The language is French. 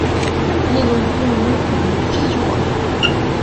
Il est donc probablement le fils du roi.